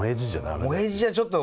もへじじゃちょっと。